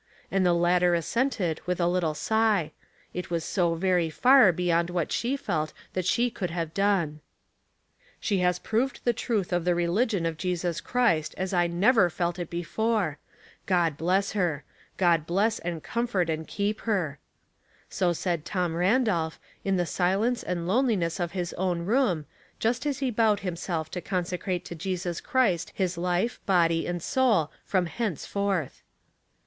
And the latter assented with a little sigh — it was so very far beyond what she felt that she could have ^(^'^c "She has proved tiio truth of the religion of Jesus Christ as I never ic't it before. God bless her. God bless and {;o:nfort and keep her." So said Tom Randolph, i i ihe silence and lone liness of his own room, just as he bowed himself to consecrate to Jesus Christ his life, body and soul, from henceforth.